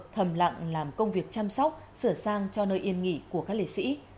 thầm lặng làm công việc chăm sóc sửa sang cho nơi yên nghỉ của các liệt sĩ